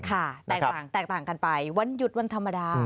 แตกต่างแตกต่างกันไปวันหยุดวันธรรมดา